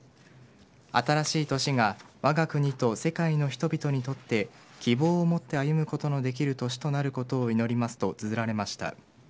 新しい年が我が国と世界の人々にとって希望を持って歩むことのできる年となることを祈りますとつづられました。